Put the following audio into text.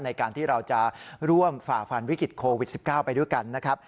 ในการที่เราจะร่วมฝ่าฟันวิกฤตโควิด๑๙ไปด้วยกันนะครับ